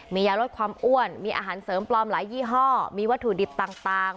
มียาลดความอ้วนมีอาหารเสริมปลอมหลายยี่ห้อมีวัตถุดิบต่าง